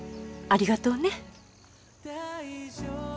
ありがとう。